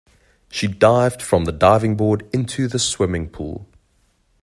She dived from the diving board into the swimming pool.